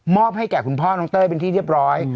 ให้แก่คุณพ่อน้องเต้ยเป็นที่เรียบร้อย